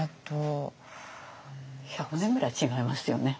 １００年ぐらい違いますよね